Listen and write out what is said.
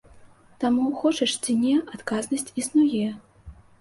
Таму, хочаш ці не, адказнасць існуе.